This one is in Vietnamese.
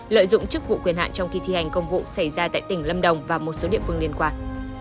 lợi dụng chức vụ quyền hạn trong khi thi hành công vụ xảy ra tại tỉnh lâm đồng và một số địa phương liên quan